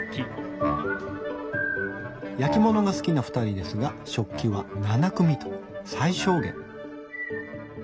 焼き物が好きなふたりですが食器は７組と最小限。